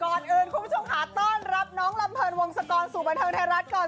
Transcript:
ก่อนอื่นคุณผู้ชมค่ะต้อนรับน้องลำเนินวงศกรสู่บันเทิงไทยรัฐก่อน